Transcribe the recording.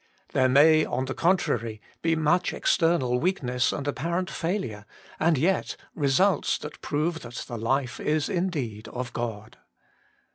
There may, on the contrary, be much exter nal weakness and apparent failure, and yet results that prove that the life is indeed of God.